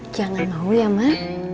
jangan mau ya mak